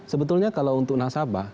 sebetulnya kalau untuk nasabah